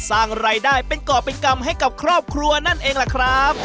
สร้างรายได้เป็นก่อเป็นกรรมให้กับครอบครัวนั่นเองล่ะครับ